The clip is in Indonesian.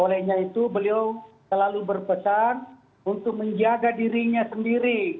olehnya itu beliau selalu berpesan untuk menjaga dirinya sendiri